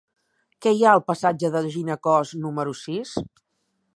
Què hi ha al passatge de Ginecòs número sis?